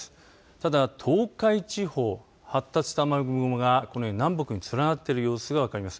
ただ、東海地方発達した雨雲がこのように南北に連なっている様子が分かります。